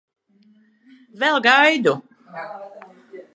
Vēl gaidu.